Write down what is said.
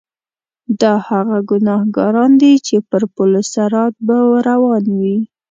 دا هغه ګناګاران دي چې پر پل صراط به روان وي.